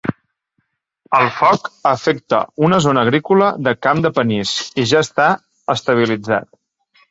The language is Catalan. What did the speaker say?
El foc afecta una zona agrícola de camp de panís i ja està estabilitzat.